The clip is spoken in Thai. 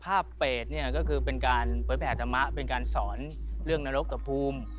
ภาพเปรตก็คือเป็นการเปิดแผนธรรมะเป็นการสอนเรื่องนรกต่อภูมิ